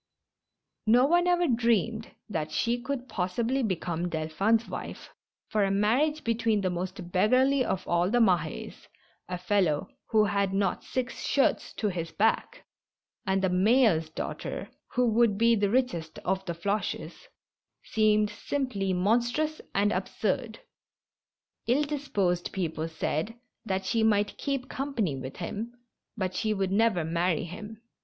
No one ever dreamed that she could possibly become Delphin's wife, for a marriage between the most beggarly of all the Mahes — a fellow who had not six shirts to his back — and the mayor's daughter, who would be the richest of the Floches, seemed simply monstrous and absurd. Ill disposed people said that she might keep company with him, but she would never marry him.